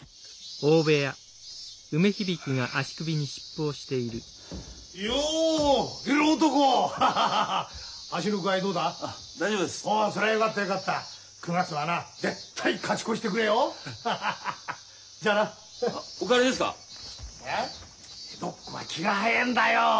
江戸っ子は気が早えんだよ。